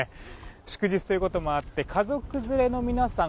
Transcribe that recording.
祝日ということもあって家族連れの皆さん